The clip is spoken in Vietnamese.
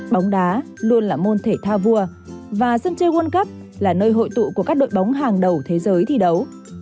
bóng đá luôn là môn thể thao vua và sân chơi world cup là nơi hội tụ của các đội bóng hàng đầu thế giới thi đấu